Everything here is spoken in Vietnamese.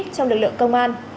trong lực lượng công an